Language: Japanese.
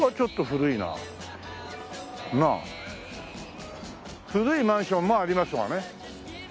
古いマンションもありますわね。